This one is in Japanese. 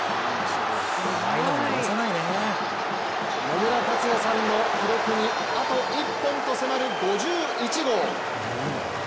野村克也さんの記録にあと１本と迫る５１号。